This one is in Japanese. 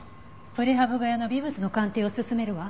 プレハブ小屋の微物の鑑定を進めるわ。